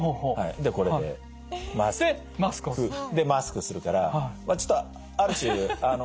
でこれでマスクするからまあちょっとある種あの。